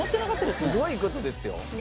すごい事ですよ。